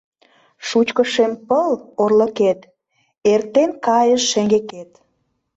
Шучко шем пыл — орлыкет Эртен кайыш шеҥгекет;